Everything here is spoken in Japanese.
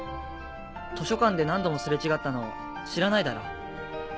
図書館で何度もすれ違ったの知らないだろ。